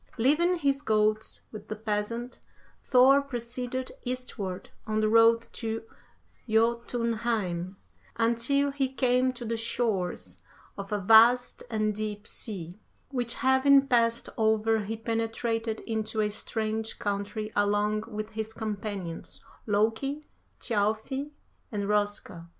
'Leaving his goats with the peasant, Thor proceeded eastward on the road to Jotunheim, until he came to the shores of a vast and deep sea, which having passed over he penetrated into a strange country along with his companions, Loki, Thjalfi, and Roska.